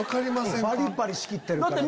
バリバリ仕切ってるからね。